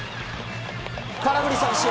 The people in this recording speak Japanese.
空振り三振。